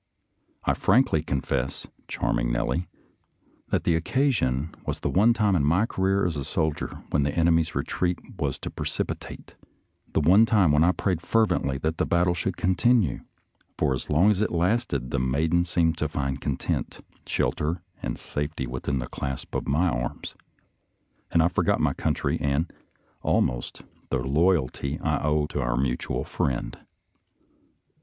I frankly confess. Charming Nellie, that the occasion was the one time in my career as a soldier when the enemy's retreat was too precipitate — the one time when I prayed fervently that the battle should continue; for as long as it lasted the maiden seemed to find content, shelter, and safety within the clasp of my arms, and I for got my country and, almost, the loyalty I owe to our mutual friend.